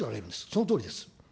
そのとおりです。